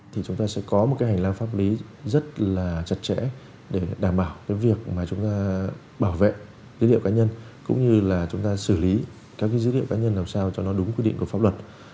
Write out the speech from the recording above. thì chúng ta sẽ có một cái hành lang pháp lý rất là chặt chẽ để đảm bảo cái việc mà chúng ta bảo vệ dữ liệu cá nhân cũng như là chúng ta xử lý các dữ liệu cá nhân làm sao cho nó đúng quy định của pháp luật